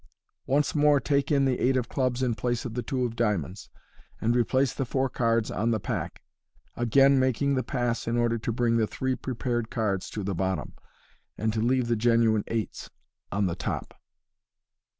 Once more take in the eight of clubs in place of the two of diamonds, and replace the four cards on the pack, again making the pass in order to bring the three prepared cards to the bottom, and to leave the genuine eights on the top.